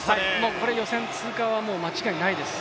これ予選通過は間違いないです。